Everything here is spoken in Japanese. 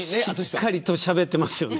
しっかりとしゃべってますよね。